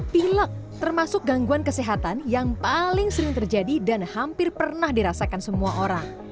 pilek termasuk gangguan kesehatan yang paling sering terjadi dan hampir pernah dirasakan semua orang